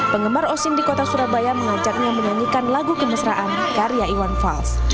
penggemar osin di kota surabaya mengajaknya menyanyikan lagu kemesraan karya iwan fals